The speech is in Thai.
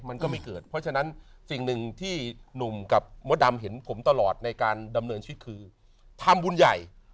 มันก็ไม่เกิดเพราะฉะนั้นสิ่งหนึ่งที่หนุ่มกับมดดำเห็นผมตลอดในการดำเนินชีวิตคือทำบุญใหญ่